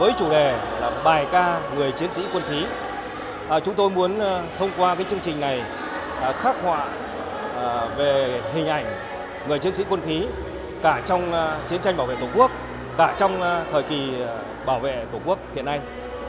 với chủ đề là bài ca người chiến sĩ quân khí chúng tôi muốn thông qua chương trình này khắc họa về hình ảnh người chiến sĩ quân khí cả trong chiến tranh bảo vệ tổ quốc cả trong thời kỳ bảo vệ tổ quốc hiện nay